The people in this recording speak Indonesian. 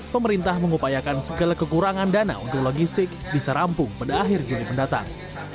pemerintah mengupayakan segala kekurangan dana untuk logistik bisa rampung pada akhir juli mendatang